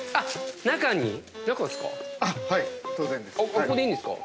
ここでいいんですか？